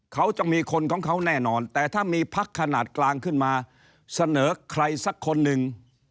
เขาจะมีคนของเขาแน่นอนแต่ถ้ามีพักขนาดกลางขึ้นมาเสนอใครสักคนหนึ่ง